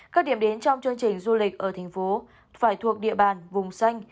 các điểm đến trong chương trình du lịch ở thành phố phải thuộc địa bàn vùng xanh